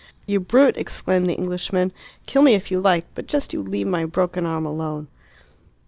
"You brute!" exclaimed the Englishman. "Kill me if you like! But just you leave my broken arm alone."